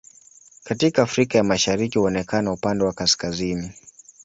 Katika Afrika ya Mashariki huonekana upande wa kaskazini.